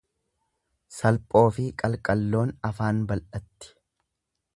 Salphoofi qalqalloon afaan bal'atti.